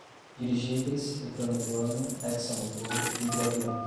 Dirigíveis, ecranoplano, hexamotor, hidroavião